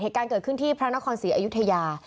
เหตุการณ์เกิดขึ้นที่พระนครศรีอยุธยา